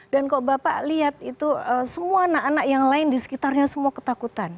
dan kok bapak lihat itu semua anak anak yang lain di sekitarnya semua ketakutan